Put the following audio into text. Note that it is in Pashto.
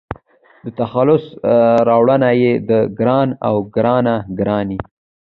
د تخلص راوړنه يې د --ګران--او --ګرانه ګراني